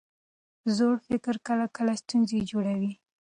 زوړ فکر کله کله ستونزې جوړوي.